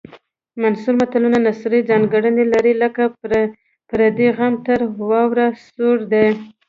منثور متلونه نثري ځانګړنې لري لکه پردی غم تر واورو سوړ دی